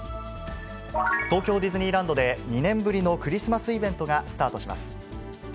東京ディズニーランドで、２年ぶりのクリスマスイベントがスタートします。